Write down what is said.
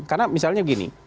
karena misalnya gini